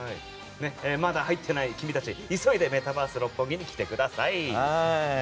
まだ入ってない君たち急いでメタバース六本木に来てください。